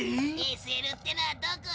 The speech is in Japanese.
ＳＬってのはどこよ？